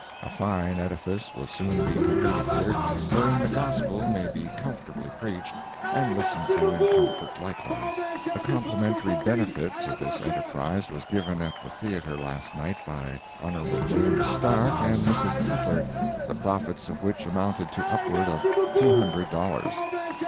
A fine edifice will soon be completed here, wherein the gospel may be comfortably preached, and listened to in comfort likewise. A complimentary benefit to this enterprise was given at the theatre last night by Hon. James Stark and Mrs. Cutler, the profits of which amounted to upwards of two hundred dollars.